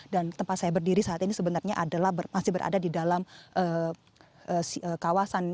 dan tempat saya berdiri saat ini sebenarnya masih berada di dalam kawasan